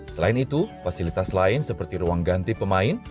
selain itu fasilitas lain seperti ruang ganti pemain